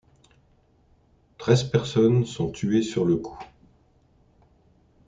Treize personnes sont tuées sur le coup.